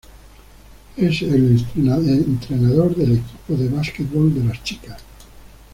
Es el entrenador del equipo de básquetbol de las chicas.